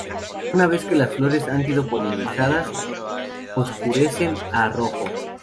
Una vez que las flores han sido polinizadas, oscurecen a rojo.